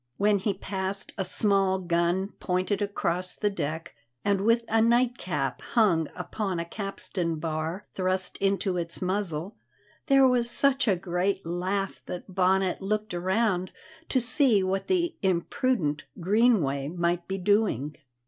When he passed a small gun pointed across the deck, and with a nightcap hung upon a capstan bar thrust into its muzzle, there was such a great laugh that Bonnet looked around to see what the imprudent Greenway might be doing.